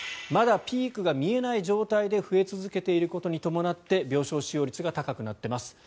まだピークが見えない状態で増え続けていることに伴って病床使用率が高くなっています。